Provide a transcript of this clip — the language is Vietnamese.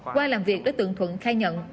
qua làm việc đối tượng thuận khai nhận